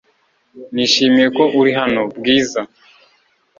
Nishimiye ko uri hano, Bwiza .